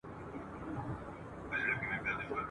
ټول پر دي مو وي شړلي خپل وطن خپل مو اختیار کې ..